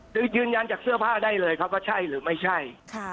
คือยืนยันจากเสื้อผ้าได้เลยครับว่าใช่หรือไม่ใช่